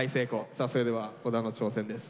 さあそれでは小田の挑戦です。